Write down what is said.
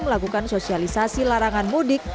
melakukan sosialisasi larangan mudik